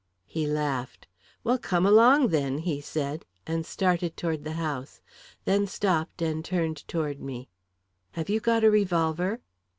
He laughed. "Well, come along, then," he said, and started toward the house; then stopped and turned toward me. "Have you got a revolver?"